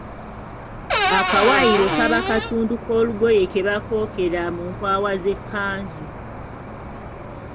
Akawaayiro kaba katundu k’olugoye ke bakookera mu nkwawa z’ekkanzu.